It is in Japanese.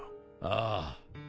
ああ。